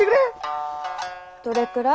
どれくらい？